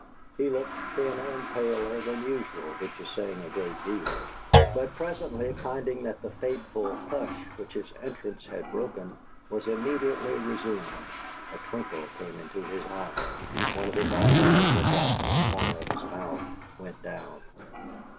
He looked thinner and paler than usual, which is saying a great deal; but presently, finding that the fateful hush which his entrance had broken was immediately resumed, a twinkle came into his eye, one of his eyebrows went up and a corner of his mouth went down.